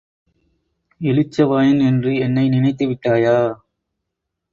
இளிச்சவாயன் என்று என்னை நினைத்துவிட்டாயா?